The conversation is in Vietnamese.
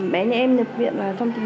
bé nhà em nhập viện là thông tin